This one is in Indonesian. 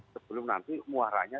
sebelum nanti muaranya